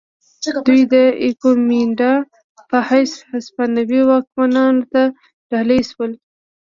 دوی د ایکومینډا په حیث هسپانوي واکمنانو ته ډالۍ شول.